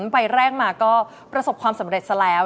ใบแรกมาก็ประสบความสำเร็จซะแล้ว